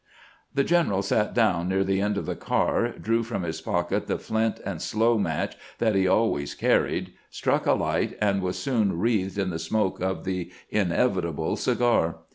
The general sat down near the end of the car, drew from his pocket the flint and slow match that he always carried, struck a light, and was soon wreathed in the smoke of the inevitable cigar.